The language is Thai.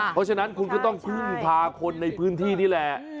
เพราะฉะนั้นคุณก็ต้องพึ่งพาคนในพื้นที่นี่แหละ